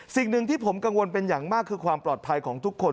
สิ่งหนึ่งที่ผมกังวลเป็นอย่างมากคือความปลอดภัยของทุกคน